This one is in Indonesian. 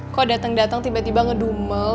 kok dateng dateng tiba tiba ngedumel